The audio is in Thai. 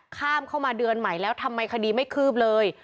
เข้ามาเดือนใหม่แล้วทำไมคดีไม่คืบเลย